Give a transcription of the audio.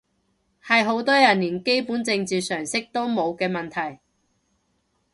係好多人連基本政治常識都冇嘅問題